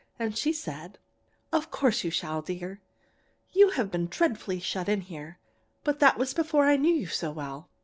And she said: "'Of course you shall, dear. You have been dreadfully shut in here, but that was before I knew you so well.